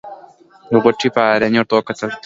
غوټۍ په حيرانۍ ورته کتل.